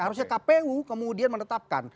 harusnya kpu kemudian menetapkan